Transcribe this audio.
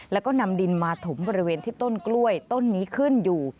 แล้วก็นำดินมาถมบริเวณที่ต้นกล้วยต้นนี้ขึ้นอยู่